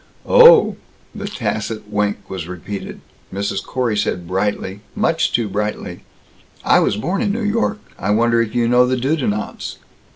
"Oh." The tacit wink was repeated. Mrs. Corey said brightly much too brightly "I was born in New York. I wonder if you know the Dudenants?"